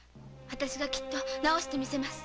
私がきっと治してみせます。